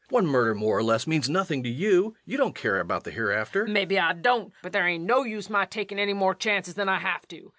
One murder more or less means nothing to you. You don't care anything about the hereafter. LUKE. Mebbe I don't, but there ain't no use my takin' any more chances than I have to.